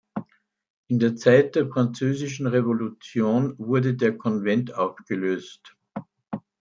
In der Zeit der Französischen Revolution wurde der Konvent aufgelöst.